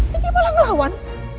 tapi malah ngelawan